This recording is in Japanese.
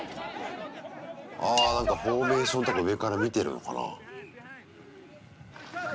あなんかフォーメーションとか上から見てるのかな？